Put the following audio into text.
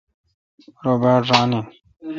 رو باڑ ران این۔